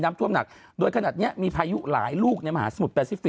ก็ผมก็งงว่าถามไม่ได้